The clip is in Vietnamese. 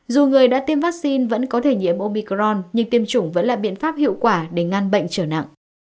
dù người đã tiêm vaccine vẫn có thể nhiễm opicron nhưng tiêm chủng vẫn là biện pháp hiệu quả để ngăn bệnh trở nặng